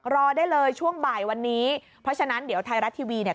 รอได้เลยช่วงบ่ายวันนี้เพราะฉะนั้นเดี๋ยวไทยรัฐทีวีเนี่ย